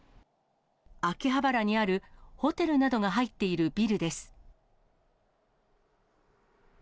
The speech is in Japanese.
秋葉原にあるホテルなどが入っているビルです。